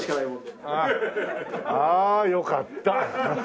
ああよかった。